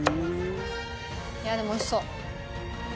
いやでも美味しそう。